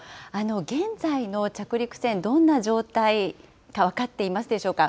現在の着陸船、どんな状態か分かっていますでしょうか。